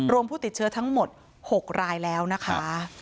ผู้ติดเชื้อทั้งหมด๖รายแล้วนะคะ